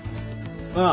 ああ。